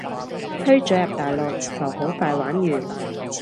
推咗入大陸就好快玩完